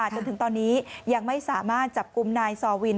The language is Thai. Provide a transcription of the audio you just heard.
จนถึงตอนนี้ยังไม่สามารถจับกลุ่มนายซอวิน